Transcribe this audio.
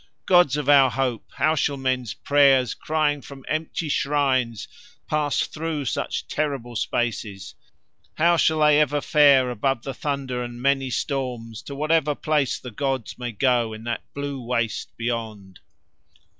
Gods of our hopes, how shall men's prayers crying from empty shrines pass through such terrible spaces; how shall they ever fare above the thunder and many storms to whatever place the gods may go in that blue waste beyond?